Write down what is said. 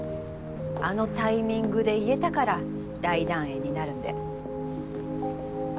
あのタイミングで言えたから大団円になるんだよ。